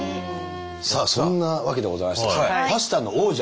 さあそんなわけでございましてパスタの王者